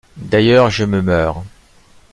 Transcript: D’ailleurs je me meurs.